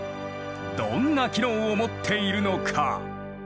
どんな機能を持っているのか？